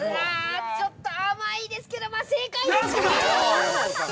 ◆ちょっと甘いですけどまあ正解ですかね。